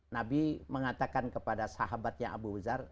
nabi mengatakan kepada sahabatnya abu uzar